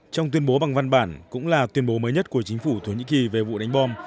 trong tuyên bố bằng văn bản cũng là tuyên bố mới nhất của chính phủ thổ nhĩ kỳ về vụ đánh bom